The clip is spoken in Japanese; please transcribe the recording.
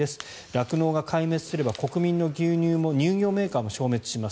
酪農が壊滅すれば国民の牛乳も乳業メーカーも消滅します。